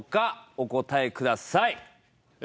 お答えくださいえ